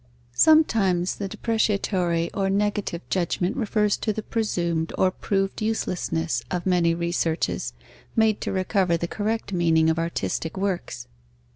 Sometimes the depreciatory or negative judgment refers to the presumed or proved uselessness of many researches, made to recover the correct meaning of artistic works.